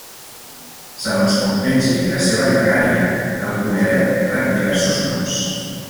Segons com pengi i la seva llargària, el collaret rep diversos noms.